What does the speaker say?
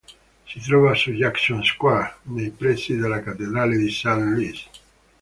Si trova su Jackson Square nei pressi della Cattedrale di St. Louis.